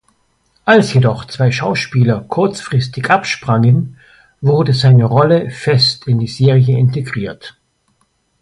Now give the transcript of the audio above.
Als jedoch zwei Schauspieler kurzfristig absprangen, wurde seine Rolle fest in die Serie integriert.